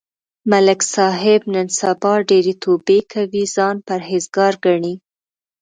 ملک صاحب نن سبا ډېرې توبې کوي، ځان پرهېز گار گڼي.